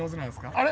あれ？